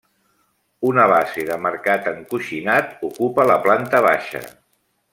Una base de marcat encoixinat ocupa la planta baixa.